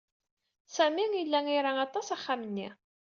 Sami yella ira aṭas axxam-nni.